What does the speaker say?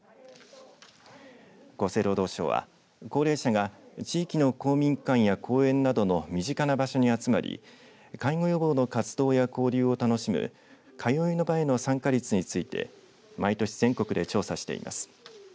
厚生労働省は高齢者が地域の公民館や公園などの身近な場所に集まり介護予防の活動や交流を楽しむ通いの場への参加率について毎年全国で調査しています。